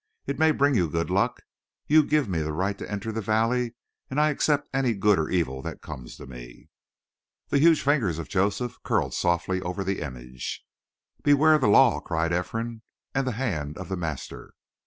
It may bring you good luck. You give me the right to enter the valley and I accept any good or evil that comes to me." The huge fingers of Joseph curled softly over the image. "Beware of the law!" cried Ephraim. "And the hand of the master!"